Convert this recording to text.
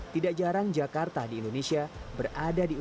tidak jarang jakarta di indonesia berada di kota kota yang tidak sehat